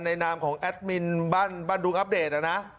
นามของแอดมินบ้านดุงอัปเดตนะ